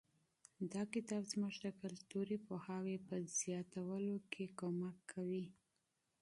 دا کتاب زموږ د کلتوري پوهاوي په زیاتولو کې مرسته کوي.